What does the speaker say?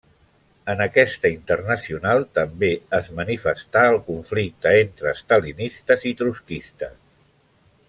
En aquesta internacional també es manifestà el conflicte entre estalinistes i trotskistes.